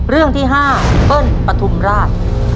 เรื่องที่๕เปิ้ลปฐุมราช